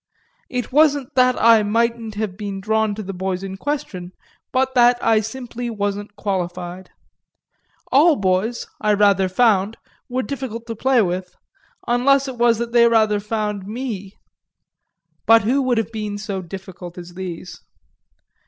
It wasn't that I mightn't have been drawn to the boys in question, but that I simply wasn't qualified. All boys, I rather found, were difficult to play with unless it was that they rather found me; but who would have been so difficult as these?